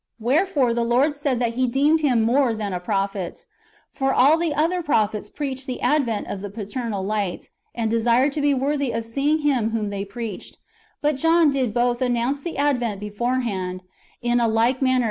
Wherefore the Lord said that He deemed him *^more than a prophet." ^ For all the other prophets preached the advent of the paternal Light, and desired to be worthy of seeing Him whom they preached; but John did both announce [the advent] beforehand, in a like manner as did 1 John i.